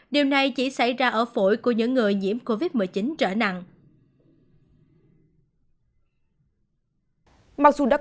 điều này chỉ xảy ra ở phổi của những người nhiễm covid một mươi chín